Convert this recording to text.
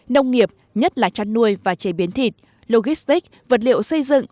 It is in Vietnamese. nông nghiệp nhất là chăn nuôi và chế biến thịt logistic vật liệu xây dựng